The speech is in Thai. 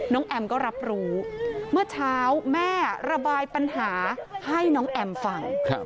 แอมก็รับรู้เมื่อเช้าแม่ระบายปัญหาให้น้องแอมฟัง